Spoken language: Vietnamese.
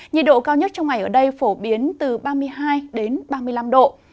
nhiệt độ cao nhất trong ngày ở đây phổ biến từ ba mươi hai ba mươi năm độ